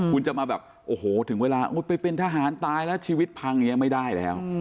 คุณจะมาแบบโอ้โหถึงเวลาไปเป็นทหารตายแล้วชีวิตพังอย่างนี้ไม่ได้แล้ว